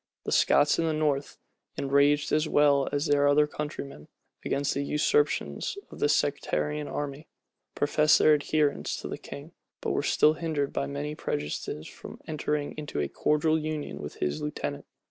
The Scots in the north, enraged, as well as their other countrymen, against the usurpations of the sectarian army, professed their adherence to the king; but were still hindered by many prejudices from entering into a cordial union with his lieutenant.